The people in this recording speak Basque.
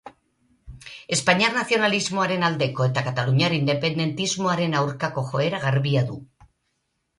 Espainiar nazionalismoaren aldeko eta kataluniar independentismoaren aurkako joera garbia du.